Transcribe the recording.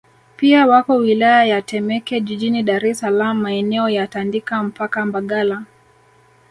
Pia wako wilaya ya Temeke jijini Dar es Salaam maeneo ya Tandika mpaka Mbagala